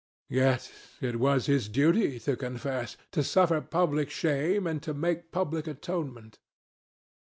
Yet it was his duty to confess, to suffer public shame, and to make public atonement.